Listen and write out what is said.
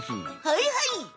はいはい！